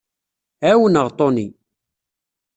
Ɛawneɣ Toni.